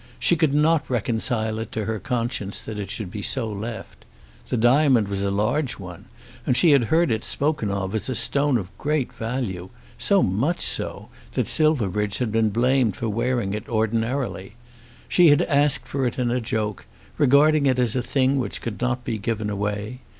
She could not reconcile it to her conscience that it should be so left. The diamond was a large one, and she had heard it spoken of as a stone of great value, so much so, that Silverbridge had been blamed for wearing it ordinarily. She had asked for it in joke, regarding it as a thing which could not be given away.